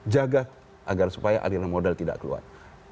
jaga agar supaya aliran modal tidak keluar